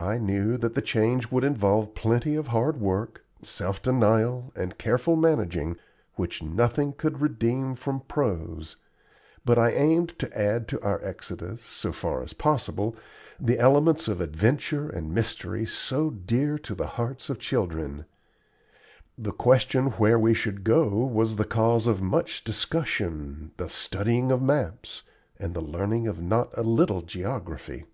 I knew that the change would involve plenty of hard work, self denial and careful managing, which nothing could redeem from prose; but I aimed to add to our exodus, so far as possible, the elements of adventure and mystery so dear to the hearts of children. The question where we should go was the cause of much discussion, the studying of maps, and the learning of not a little geography.